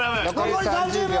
残り３０秒。